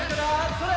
それ！